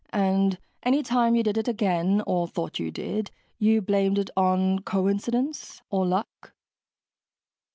And anytime you did it again, or thought you did, you blamed it on coincidence. Or luck."